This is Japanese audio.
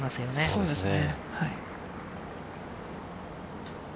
そうですね。